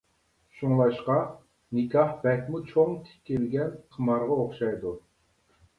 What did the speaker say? شۇڭلاشقا، نىكاھ بەكمۇ چوڭ تىكىلگەن قىمارغا ئوخشايدۇ.